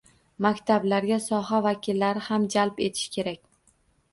Maktablarga soha vakillari ham jalb etish kerak.